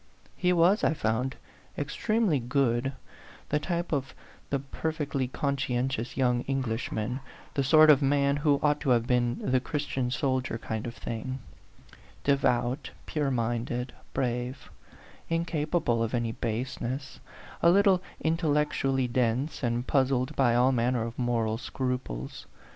He was, I found, extremely good the type of the perfectly conscientious young English man, the sort of man who ought to have been the Christian soldier kind of thing: devout, pure minded, brave, incapable of any base ness, a little intellectually dense, and puzzled by all manner of moral scruples.